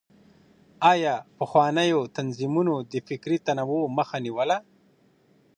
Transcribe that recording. آيا پخوانيو تنظيمونو د فکري تنوع مخه نيوله؟